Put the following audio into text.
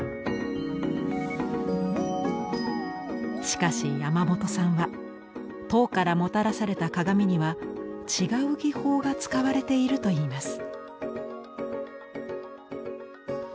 しかし山本さんは唐からもたらされた鏡には違う技法が使われているといいます。